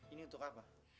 ini untuk apa